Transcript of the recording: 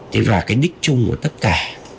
thế và cái đích chung của tất cả